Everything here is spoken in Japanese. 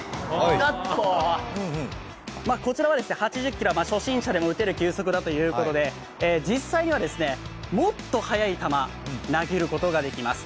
こちらは８０キロは初心者でも打てる球速だということで実際にはもっと速い球、投げることができます。